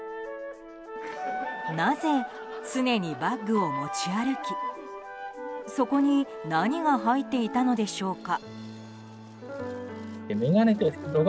なぜ常にバッグを持ち歩きそこに何が入っていたのでしょうか。